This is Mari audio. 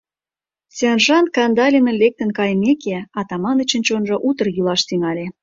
Сержант Кандалинын лектын кайымеке, Атаманычын чонжо утыр йӱлаш тӱҥале.